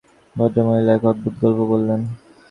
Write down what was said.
ভদ্রমহিলা এক অদ্ভুত গল্প বললেন।